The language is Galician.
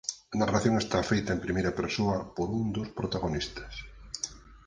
A narración está feita en primeira persoa por un dos protagonistas.